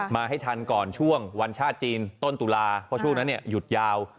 มาให้ทันก่อนช่วงวันชาติจีนต้นตุลาเพราะช่วงนั้นหยุดยาว